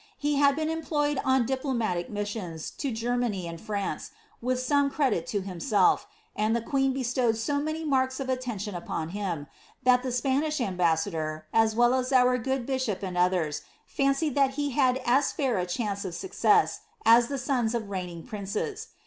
He had been employed on diplo ■atic missions to Germany and France, with some credit to himself, and the queen bestowed so many marks of attention upon him, that the Spanish ambassador, as well as our good bishop and others, fancied that be had as fair a chance of success, as the sons of reigning princes.